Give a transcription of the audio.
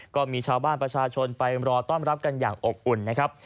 ก็มีชาวบ้านประชาชนไปรอต้อนรับกันอย่างอบอุ่นนะครับ